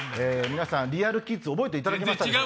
皆さんりあるキッズ覚えていただけましたか？